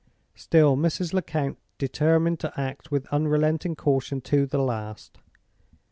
Still Mrs. Lecount determined to act with unrelenting caution to the last.